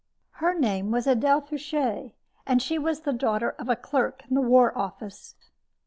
Her name was Adele Foucher, and she was the daughter of a clerk in the War Office.